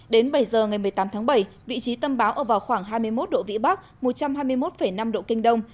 đến bảy giờ ngày một mươi tám tháng bảy vị trí tâm bão ở vào khoảng hai mươi một độ vĩ bắc một trăm hai mươi một năm độ kinh đông